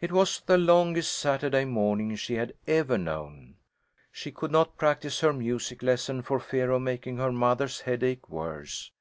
It was the longest Saturday morning she had ever known. She could not practise her music lesson for fear of making her mother's headache worse.